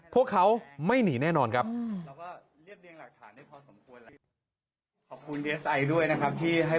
พวกเขาไม่หนีแน่นอนครับ